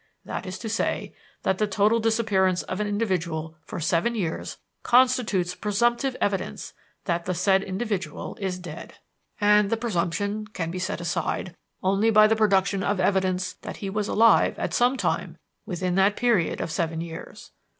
That is to say, that the total disappearance of an individual for seven years constitutes presumptive evidence that the said individual is dead; and the presumption can be set aside only by the production of evidence that he was alive at some time within that period of seven years.